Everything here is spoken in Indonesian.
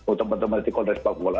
untuk teman teman sekolah sepak bola